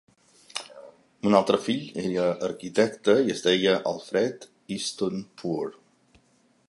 Un altre fill era arquitecte i es deia Alfred Easton Poor.